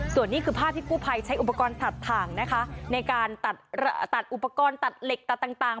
ส่วนนี้คือภาพที่กู้ภัยใช้อุปกรณ์ตัดถ่างนะคะในการตัดอุปกรณ์ตัดเหล็กตัดต่าง